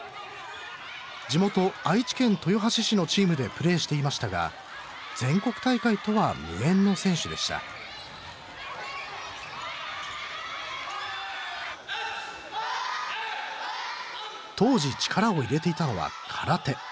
地元愛知県豊橋市のチームでプレーしていましたが全国大会とは無縁の選手でした当時力を入れていたのは空手。